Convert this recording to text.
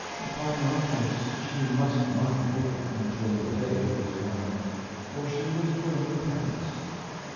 Upon my face She must not look until the day was done; For she was doing penance...